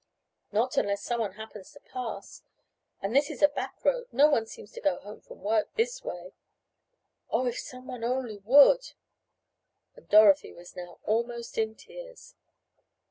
"Not unless someone happens to pass. And this is a back road: no one seems to go home from work this way." "Oh, if someone only would!" and Dorothy was now almost in tears.